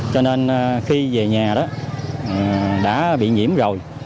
cho nên khi về nhà đó đã bị nhiễm rồi